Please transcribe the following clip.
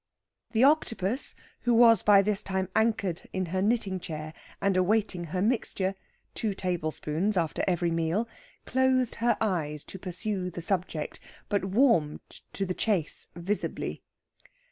The Octopus, who was by this time anchored in her knitting chair and awaiting her mixture two tablespoonfuls after every meal closed her eyes to pursue the subject, but warmed to the chace visibly.